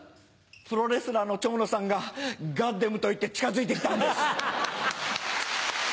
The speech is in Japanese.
プロレスラーの蝶野さんがガッデムと言って近づいて来たんです。